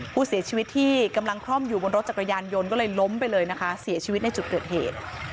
ผู้เสียชีวิตที่กำลังคล่อมอยู่บนรถจักรยานยนต์ก็เลยล้มไปเลยนะคะเสียชีวิตในจุดเกิดเหตุ